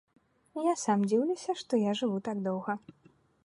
Я сам дзіўлюся, што я жыву так доўга.